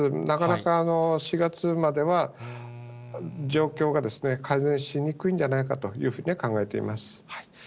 なかなか４月までは、状況が改善しにくいんじゃないかというふうには考えています。